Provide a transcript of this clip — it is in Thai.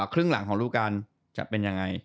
ครึ่งหลังของรูปการจะเป็นยังไง